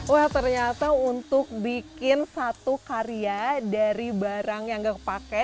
wah ternyata untuk bikin satu karya dari barang yang gak pakai